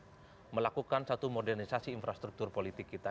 untuk melakukan satu modernisasi infrastruktur politik kita